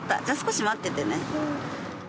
じゃあ少し待っててね。